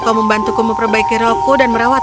kau membantuku memperbaiki rollku dan merawat